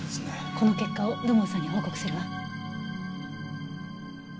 この結果を土門さんに報告するわ。